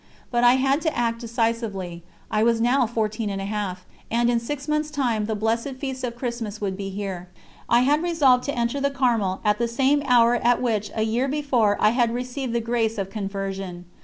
But I had to act decisively; I was now fourteen and a half, and in six months' time the blessed feast of Christmas would be here. I had resolved to enter the Carmel at the same hour at which a year before I had received the grace of conversion.